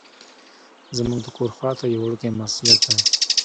زمونږ د کور خواته یو وړوکی مسجد دی.